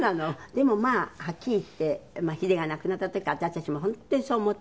でもまあはっきり言ってヒデが亡くなった時私たちも本当にそう思って。